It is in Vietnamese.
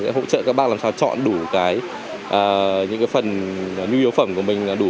sẽ hỗ trợ các bác làm sao chọn đủ cái những cái phần nhu yếu phẩm của mình đủ bốn trăm linh